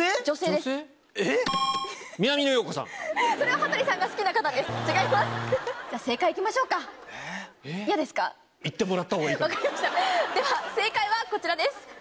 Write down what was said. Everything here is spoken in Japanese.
では正解はこちらです。